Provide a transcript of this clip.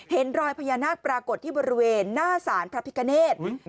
เห็นรอยพญานาคปรากฏที่บริเวณหน้าสารพระพิกเนธ